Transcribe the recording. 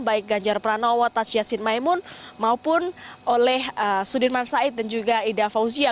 baik ganjar pranowo tads yassin maimun maupun oleh sudirman said dan juga ida fauzia